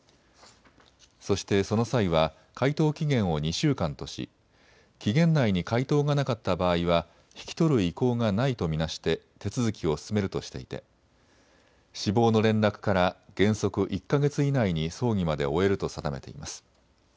そしてその際は回答期限を２週間とし期限内に回答がなかった場合は引き取る意向がないと見なして手続きを進めるとしていて死亡の連絡から原則１か月以内に葬儀まで終えると定めています。